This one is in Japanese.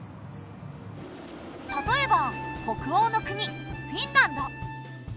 例えば北欧の国フィンランド。